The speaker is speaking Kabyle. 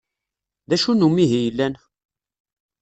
D acu n umihi yellan?